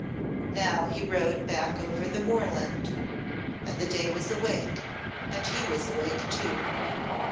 Now he rode back over the moorland, and the day was awake and he was awake too.